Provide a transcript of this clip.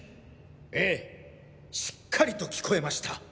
ええしっかりと聞こえました。